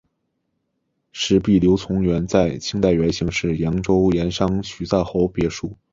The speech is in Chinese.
石壁流淙园在清代原是扬州盐商徐赞侯别墅。